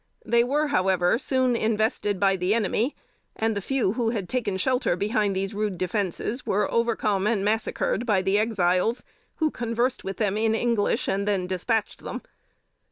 They were, however, soon invested by the enemy, and the few who had taken shelter behind their rude defenses were overcome and massacred by the Exiles, who conversed with them in English, and then dispatched them.